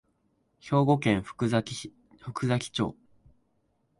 兵庫県福崎町